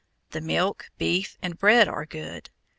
The milk, beef, and bread are good.